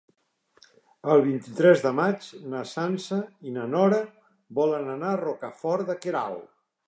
El vint-i-tres de maig na Sança i na Nora volen anar a Rocafort de Queralt.